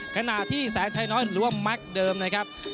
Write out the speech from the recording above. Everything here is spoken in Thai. ขณะที่แสนชัยน้อยหรือว่าแม็กซ์เดิมนะครับ